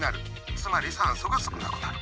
つまり酸素が少なくなる。